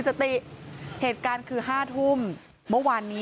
สติเหตุการณ์คือ๕ทุ่มเมื่อวานนี้